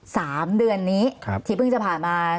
สามเดือนนี้ครับที่เพิ่งจะผ่านมา